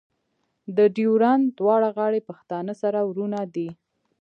د ډیورنډ دواړه غاړې پښتانه سره ورونه دي.